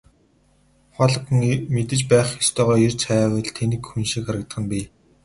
Ухаалаг хүн мэдэж байх ёстойгоо эрж хайвал тэнэг хүн шиг харагдах нь бий.